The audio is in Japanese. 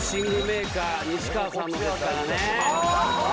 メーカー西川さんのですからね